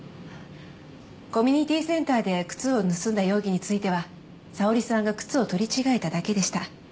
コミュニティーセンターで靴を盗んだ容疑については沙織さんが靴を取り違えただけでした。